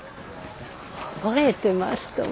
覚えてますとも。